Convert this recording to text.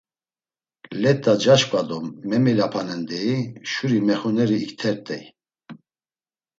Let̆a caşǩva do memilapanen, deyi şuri mexuneri iktert̆ey.